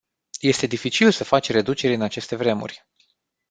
Este dificil să faci reduceri în aceste vremuri.